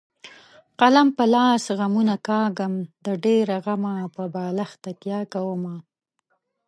قلم په لاس غمونه کاږم د ډېره غمه په بالښت تکیه کومه.